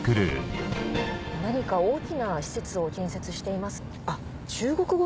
何か大きな施設を建設しています。